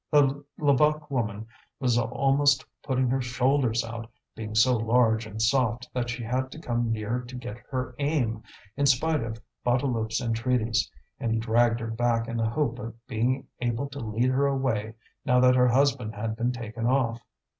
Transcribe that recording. The Levaque woman was almost putting her shoulders out, being so large and soft that she had to come near to get her aim, in spite of Bouteloup's entreaties, and he dragged her back in the hope of being able to lead her away now that her husband had been taken off.